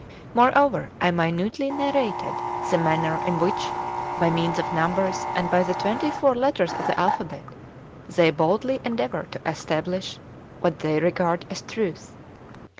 Moreover, I minutely narrated the manner in which, by means of numbers, and by the twenty four letters of the alphabet, they boldly endeavour to establish [what they regard as] truth.